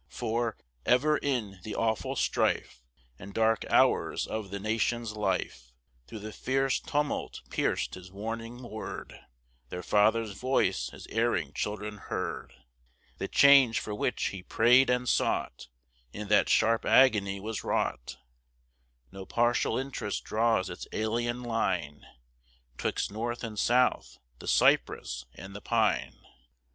For, ever in the awful strife And dark hours of the nation's life, Through the fierce tumult pierced his warning word, Their father's voice his erring children heard! The change for which he prayed and sought In that sharp agony was wrought; No partial interest draws its alien line 'Twixt North and South, the cypress and the pine!